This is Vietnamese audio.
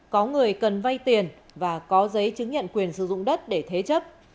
có người cần vay tiền và có giấy chứng nhận quyền sử dụng đất để thế chấp